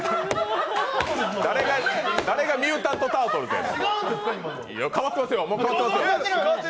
誰がミュータントタートルズや。